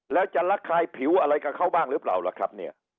แล้วจะระคายผิวอะไรกับเขาบ้างหรือเปล่าล่ะครับเนี่ย